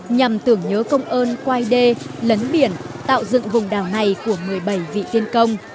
nhằm tưởng nhớ công ơn quay đê lấn biển tạo dựng vùng đảo này của một mươi bảy vị tiên công